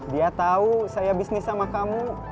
dia tahu saya bisnis sama kamu